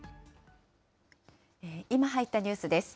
今入ったニュースです。